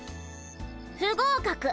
不合格！